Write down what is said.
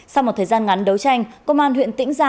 sau một thời gian ngắn đấu tranh công an huyện tỉnh ra